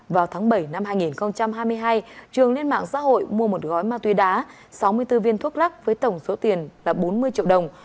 vào tháng bảy năm hai nghìn hai mươi hai trường lên mạng xã hội mua một gói ma túy đá sáu mươi bốn viên thuốc lắc với tổng số tiền là bốn mươi triệu đồng